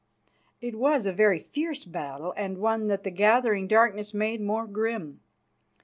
It was a very fierce battle, and one that the gathering darkness made more grim.